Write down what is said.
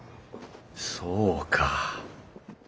そうか。